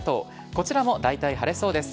こちらもだいたい晴れそうです。